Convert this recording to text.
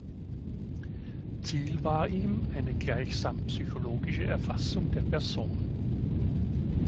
Ziel war ihm eine gleichsam psychologische Erfassung der Person.